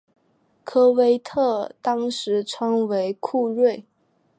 科威特当时称为库锐。